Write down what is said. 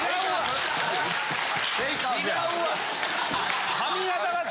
違うわ！